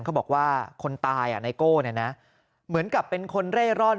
เขาบอกว่าคนตายไนโก้เนี่ยนะเหมือนกับเป็นคนเร่ร่อน